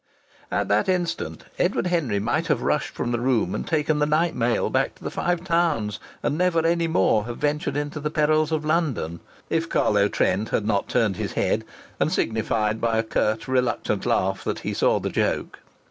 At that instant Edward Henry might have rushed from the room and taken the night mail back to the Five Towns, and never any more have ventured into the perils of London, if Carlo Trent had not turned his head, and signified by a curt, reluctant laugh that he saw the joke.